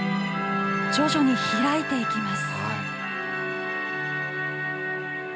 徐々に開いていきます。